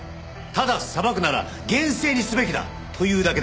ただ裁くなら厳正にすべきだというだけです。